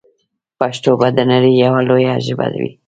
پښتو به د نړۍ یوه لویه ژبه وي.